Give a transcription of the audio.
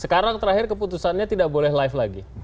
sekarang terakhir keputusannya tidak boleh live lagi